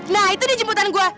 nah itu dia jemputan gue